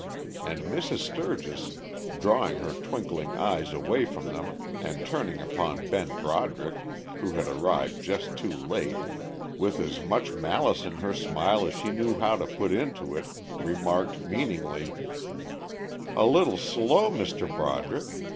And Mrs. Sturgis, drawing her twinkling eyes away from them and turning upon Ben Broderick, who had arrived just too late, with as much malice in her smile as she knew how to put into it, remarked meaningly, "A little slow, Mr. Broderick!